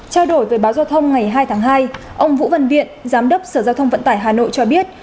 trao đổi về báo giao thông ngày hai tháng hai ông vũ văn viện giám đốc sở giao thông vận tải hà nội cho biết